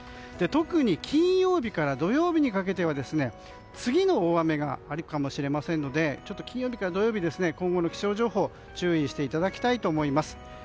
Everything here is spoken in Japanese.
特に金曜日から土曜日にかけては次の大雨があるかもしれませんので金曜日から土曜日今後の気象情報に注意していただきたいと思います。